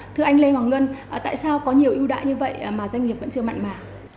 thưa anh lê hoàng ngân tại sao có nhiều ưu đại như vậy mà doanh nghiệp vẫn chưa mặn mà